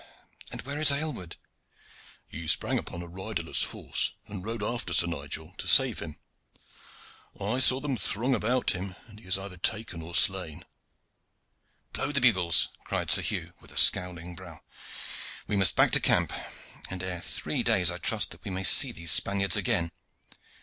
And where is Aylward?" "He sprang upon a riderless horse and rode after Sir Nigel to save him. I saw them throng around him, and he is either taken or slain." "Blow the bugles!" cried Sir Hugh, with a scowling brow. "We must back to camp, and ere three days I trust that we may see these Spaniards again.